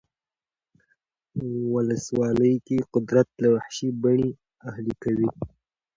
ولسواکي قدرت له وحشي بڼې اهلي کوي.